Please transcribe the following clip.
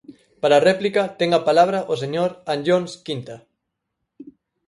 Para réplica, ten a palabra o señor Anllóns Quinta.